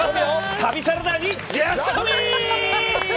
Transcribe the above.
旅サラダにジャストミート！